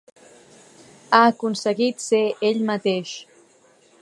Ha aconseguit ser ell mateix.